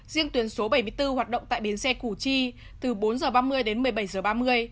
riêng tuyến số bảy mươi bốn hoạt động tại biến xe củ chi từ bốn giờ ba mươi đến một mươi bảy giờ ba mươi